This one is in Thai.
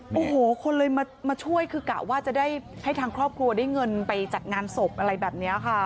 โอ้โหคนเลยมาช่วยคือกะว่าจะได้ให้ทางครอบครัวได้เงินไปจัดงานศพอะไรแบบนี้ค่ะ